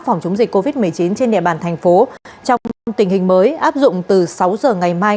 phòng chống dịch covid một mươi chín trên địa bàn thành phố trong tình hình mới áp dụng từ sáu giờ ngày mai